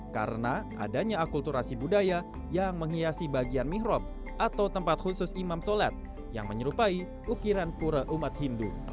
karena adanya akulturasi budaya yang menghiasi bagian mihrop atau tempat khusus imam sholat yang menyerupai ukiran pura umat hindu